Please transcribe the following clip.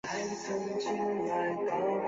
第三条则规定了欧盟的六个目标。